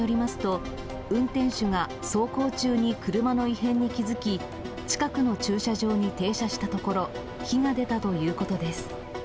警察によりますと、運転手が走行中に車の異変に気付き、近くの駐車場に停車したところ、火が出たということです。